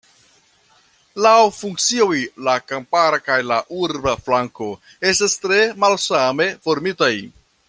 Laŭ funkcioj la kampara kaj la urba flanko estas tre malsame formitaj.